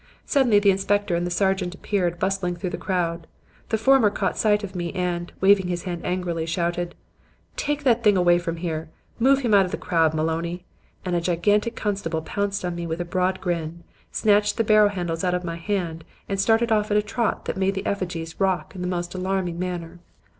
Suddenly the inspector and the sergeant appeared bustling through the crowd. The former caught sight of me and, waving his hand angrily, shouted: "'Take that thing away from here! Move him out of the crowd, Moloney;' and a gigantic constable pounced on me with a broad grin, snatched the barrow handles out of my hands, and started off at a trot that made the effigies rock in the most alarming manner.